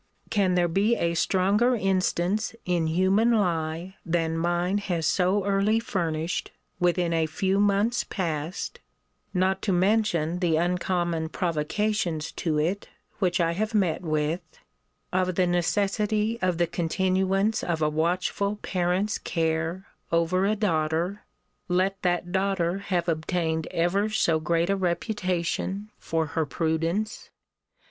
Can there be a stronger instance in human lie than mine has so early furnished, within a few months past, (not to mention the uncommon provocations to it, which I have met with,) of the necessity of the continuance of a watchful parent's care over a daughter: let that daughter have obtained ever so great a reputation for her prudence?